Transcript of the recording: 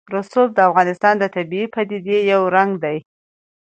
رسوب د افغانستان د طبیعي پدیدو یو رنګ دی.